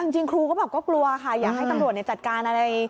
จริงครูก็บอกก็กลัวค่ะอยากให้ตำรวจจัดการอะไร